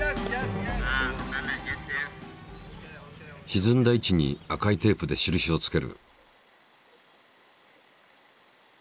しずんだ位置に赤いテープで印をつける。